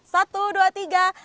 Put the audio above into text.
satu dua tiga